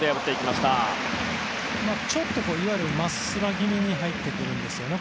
ちょっといわゆるまっスラ気味に入ってくるんですよね。